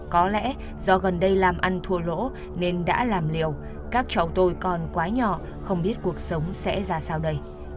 có lẽ do gần đây làm ăn thua lỗ nên đã làm liều các cháu tôi còn quá nhỏ không biết cuộc sống sẽ ra sao đây